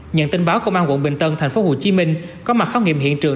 nhận tin báo công an quận bình tân thành phố hồ chí minh có mặt khám nghiệm hiện trường